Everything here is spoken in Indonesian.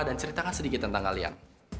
dan ceritakan sedikit tentang kalian